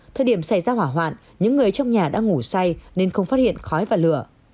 thời điểm xảy ra hỏa hoạn những người trong nhà đã ngủ say nên không phát hiện khói và lửa